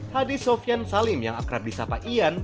hadi sofyan salim yang akrab di sapa iyan